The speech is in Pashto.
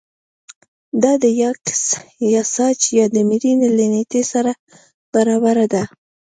دا د یاکس یاساج د مړینې له نېټې سره برابره ده